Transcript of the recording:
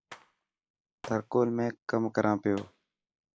ٿر ڪول ۾ ڪم ڪران پيو.